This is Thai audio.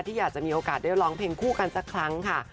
ที่อยากจะมีโอกาสได้ร้องเพลงคู่กันสักครั้งค่ะ